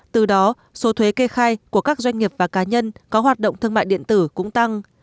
từ đó số thuế kê khai của các doanh nghiệp và cá nhân có hoạt động thương mại điện tử cũng tăng